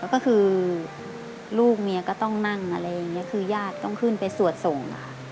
ก็คือลูกเมียก็ต้องนั่งอะไรอย่างนี้คือญาติต้องขึ้นไปสวดส่งค่ะ